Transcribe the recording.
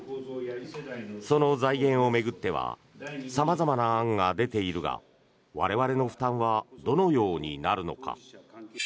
その財源を巡っては様々な案が出ているが我々の負担はどのようになるのか。